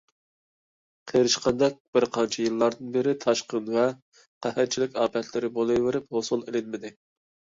قېرىشقاندەك بىر قانچە يىللاردىن بېرى تاشقىن ۋە قەھەتچىلىك ئاپەتلىرى بولىۋېرىپ، ھوسۇل ئېلىنمىدى.